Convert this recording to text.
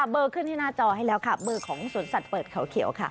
เบอร์ขึ้นที่หน้าจอให้แล้วค่ะเบอร์ของสวนสัตว์เปิดเขาเขียวค่ะ